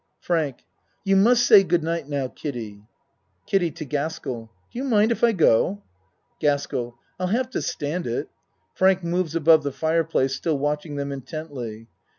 FRANK You must say good night, now, Kiddie. KIDDIE (To Gaskell.) Do you mind if I go? GASKELL I'll have to stand it. (Frank moves above the fire place still watching them intently.)